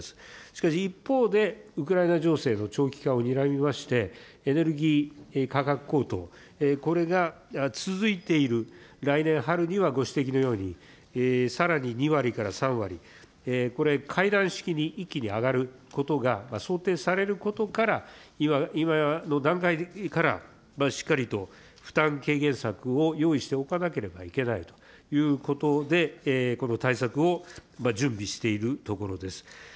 しかし、一方でウクライナ情勢の長期化をにらみまして、エネルギー価格高騰、これが続いている、来年春にはご指摘のように、さらに２割から３割、これ、階段式に一気に上がることが想定されることから、今の段階からしっかりと負担軽減策を用意しておかなければいけないということで、この対策を準備しているところです。